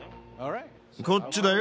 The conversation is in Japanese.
こっちだよ。